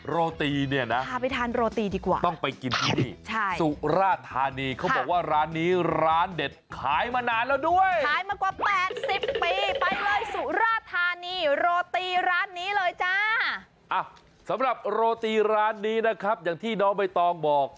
โรตีนี่นะต้องไปกินที่นี่สุราธารณีเขาบอกว่าร้านนี้ร้านเด็ด